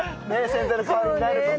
洗剤の代わりになるとか。